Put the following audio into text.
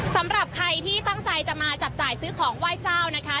สำหรับใครที่ตั้งใจจะมาจับจ่ายซื้อของไหว้เจ้านะคะ